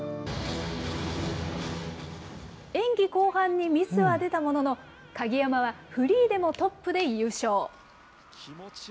演技後半にミスは出たものの、鍵山はフリーでもトップで優勝。